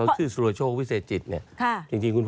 ที่สุรโชควิเศษจิตนี่จริงคุณพ่อ